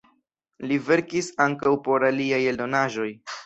Li verkis ankaŭ por aliaj eldonaĵoj.